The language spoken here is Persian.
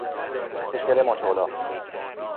پشگل ماچه الاغ